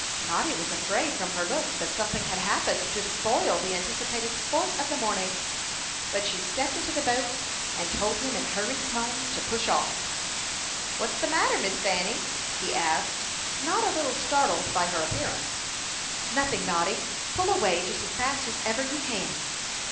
Noddy was afraid, from her looks, that something had happened to spoil the anticipated sport of the morning; but she stepped into the boat, and told him, in hurried tones, to push off. "What's the matter, Miss Fanny?" he asked, not a little startled by her appearance. "Nothing, Noddy; pull away just as fast as ever you can."